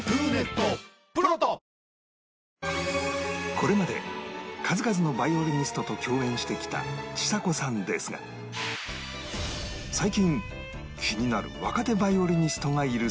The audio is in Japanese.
これまで数々のヴァイオリニストと共演してきたちさ子さんですが最近気になる若手ヴァイオリニストがいるそうで